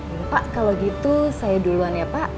ini pak kalau gitu saya duluan ya pak